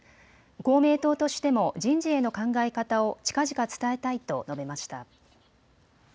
公明党としても人事への考え方を近々、伝えたいと述べました。